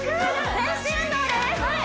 全身運動です！